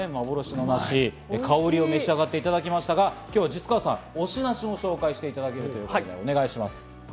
幻の梨・かおりを召し上がっていただきましたが實川さん、推し梨をご紹介していただけるということでお願いします。